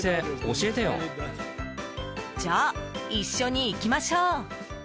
じゃあ、一緒に行きましょう。